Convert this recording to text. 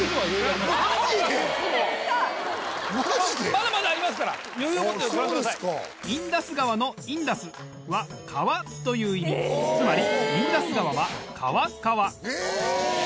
まだまだありますから余裕を持ってご覧ください。という意味つまり。という意味つまり。